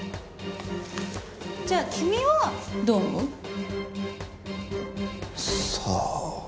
じゃあ君はどう思う？さあ。